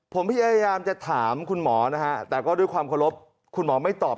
ผมพยายามจะถามคุณหมอนะฮะแต่ก็ด้วยความเคารพคุณหมอไม่ตอบ